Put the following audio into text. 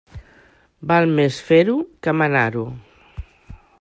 Val més fer-ho que manar-ho.